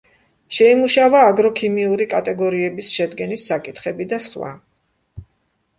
შეიმუშავა აგროქიმიური კატეგორიების შედგენის საკითხები და სხვა.